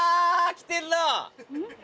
きてるな！